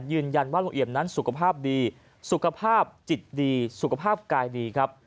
ยืนยันว่าลุงเอี่ยมนั้นสุขภาพดีสุขภาพจิตดีสุขภาพกายดีครับ